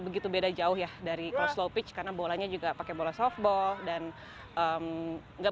begitu beda jauh ya dari oslo pitch karena bolanya juga pakai bola softball dan enggak